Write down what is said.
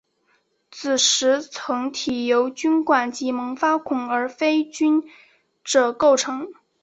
子实层体由菌管及萌发孔而非菌褶构成。